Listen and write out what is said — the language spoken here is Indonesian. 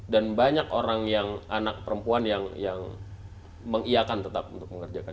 dan banyak orang yang anak perempuan yang mengiakan tetap untuk mengerjakan